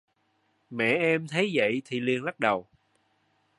mẹ em thấy vậy thì liền lắc đầu